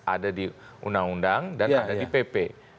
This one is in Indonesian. ada di undang undang dan ada di pp